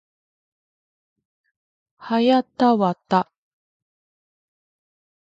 はやたわた